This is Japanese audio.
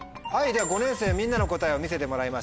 では５年生みんなの答えを見せてもらいましょう。